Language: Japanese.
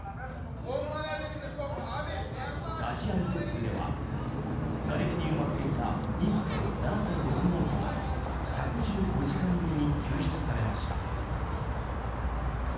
ガジアンテップではがれきに埋まっていた妊婦と７歳の女の子が１１５時間ぶりに救出されました。